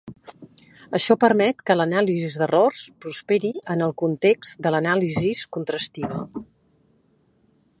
Això permet que l'anàlisi d'errors prosperi en el context de l'anàlisi contrastiva.